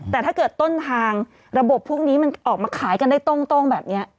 แต่ถ้าเกิดต้นทางระบบพวกนี้มันออกมาขายกันได้โต้งแบบนี้